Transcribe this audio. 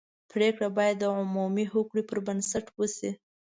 پرېکړه باید د عمومي هوکړې پر بنسټ وشي.